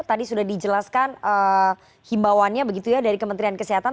tadi sudah dijelaskan himbauannya begitu ya dari kementerian kesehatan